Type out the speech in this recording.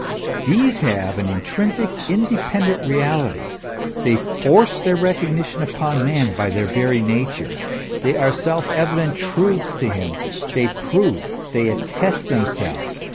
These have an intrinsic, independent reality ; they force their recognition upon man by their very nature ; they are self evident truths to him ; they prove, they attest themselves.